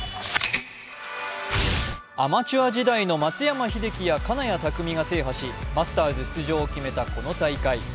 アマチュア時代の松山英樹や金谷拓実が制覇しマスターズ出場を決めたこの大会。